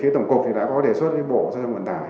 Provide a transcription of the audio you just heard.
tổng cục đã có đề xuất với bộ giao thông vận tải